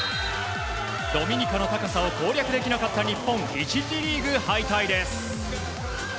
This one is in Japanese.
ドミニカの高さを攻略できなかった日本１次リーグ敗退です。